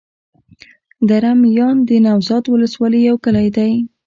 دره میان د نوزاد ولسوالي يو کلی دی.